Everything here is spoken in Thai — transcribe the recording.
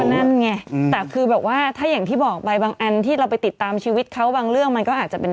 นั่นไงแต่คือแบบว่าถ้าอย่างที่บอกไปบางอันที่เราไปติดตามชีวิตเขาบางเรื่องมันก็อาจจะเป็น